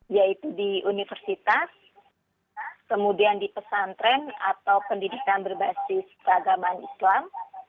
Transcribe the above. yaitu di universitas kemudian di pesantren atau pendidikan berbasis keagamaan islam